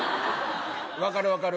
分かる分かる。